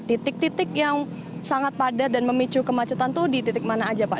titik titik yang sangat padat dan memicu kemacetan itu di titik mana saja pak